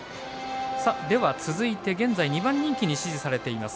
では、続いて、現在２番人気に支持されています